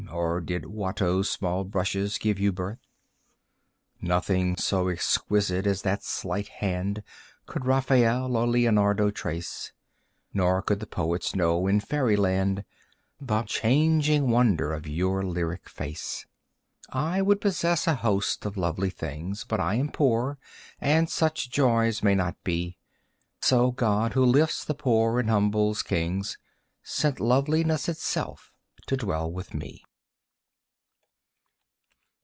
Or did Watteau's small brushes give you birth? Nothing so exquisite as that slight hand Could Raphael or Leonardo trace. Nor could the poets know in Fairyland The changing wonder of your lyric face. I would possess a host of lovely things, But I am poor and such joys may not be. So God who lifts the poor and humbles kings Sent loveliness itself to dwell with me.